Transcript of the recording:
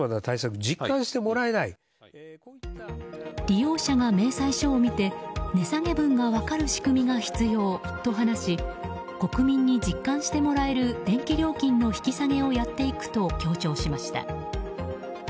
利用者が明細書を見て値下げ分が分かる仕組みが必要と話し国民に実感してもらえる電気料金の引き下げをやっていくと強調しました。